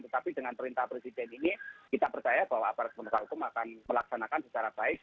tetapi dengan perintah presiden ini kita percaya bahwa aparat penegak hukum akan melaksanakan secara baik